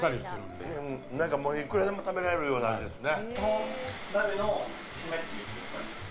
いくらでも食べられるような味ですね。